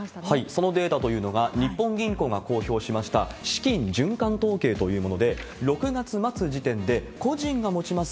そのデータというのが、日本銀行が公表しました、資金循環統計というもので、６月末時点で個人が持ちます